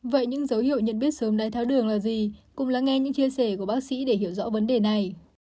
vậy những dấu hiệu nhận biết sớm đái tháo đường là gì cùng lắng nghe những chia sẻ của bác sĩ để hiểu rõ vấn đề này